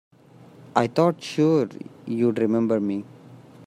I thought sure you'd remember me.